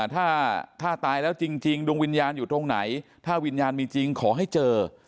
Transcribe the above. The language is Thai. ถ้าตายแล้วจริงดวงวิญญาณอยู่ตรงไหนถ้าวิญญาณมีจริงขอให้เจอ